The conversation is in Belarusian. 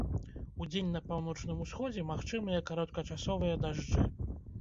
Удзень на паўночным усходзе магчымыя кароткачасовыя дажджы.